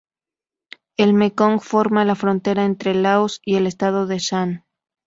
El Mekong forma la frontera entre Laos y el estado de Shan.